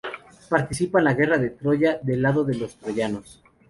Participa en la guerra de Troya del lado de los troyanos.